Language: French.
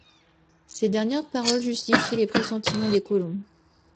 Ces dernières paroles justifiaient les pressentiments des colons